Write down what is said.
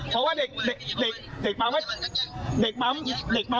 ก็มาคุยต้องหาคนขับมา